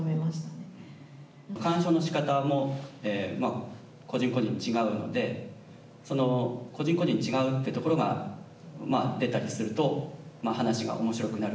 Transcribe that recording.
鑑賞の仕方も個人個人違うのでその個人個人違うっていうところがまあ出たりすると話が面白くなる。